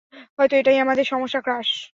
হয়তো এটাই আমাদের সমস্যা, ক্র্যাশ।